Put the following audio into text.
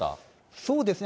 そうですね。